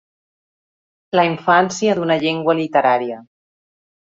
La infància d'una llengua literària.